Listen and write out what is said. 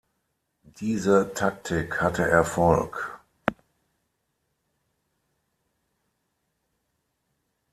Diese Taktik hatte Erfolg.